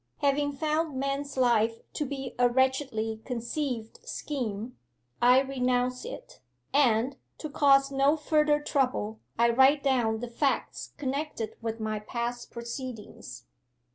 'Having found man's life to be a wretchedly conceived scheme, I renounce it, and, to cause no further trouble, I write down the facts connected with my past proceedings.